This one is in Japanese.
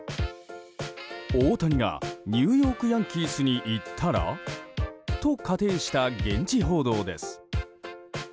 大谷がニューヨーク・ヤンキースに行ったら？と仮定した現地報道です。